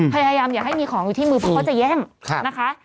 พยายามอย่าให้มีของอยู่ที่มือเพราะเขาจะแย่งนะคะ